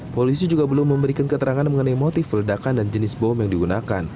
polisi juga belum memberikan keterangan mengenai motif peledakan dan jenis bom yang digunakan